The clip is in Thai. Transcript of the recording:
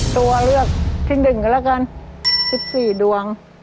ตัวเลือกที่๑กันแล้วกัน๑๔ดวง